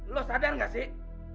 lo sadar gak sih